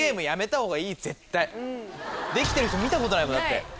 絶対できてる人見たことないもんだって。